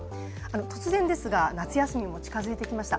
突然ですが、夏休みも近づいてきました。